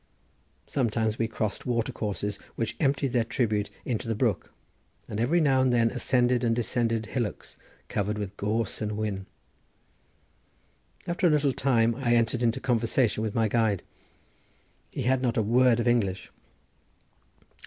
Sometimes we crossed watercourses which emptied their tribute into the brook, and every now and then ascended and descended hillocks covered with gorse and whin. After a little time I entered into conversation with my guide. He had not a word of English.